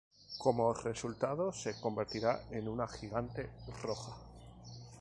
Como resultado, se convertirá en una gigante roja.